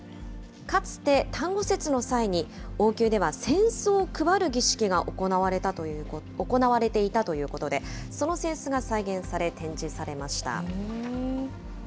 かつて端午節の際に、王宮では扇子を配る儀式が行われていたということで、その扇子が再現され、展示されました。